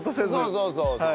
そうそうそうそう。